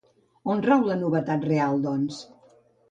On rau la novetat real, doncs?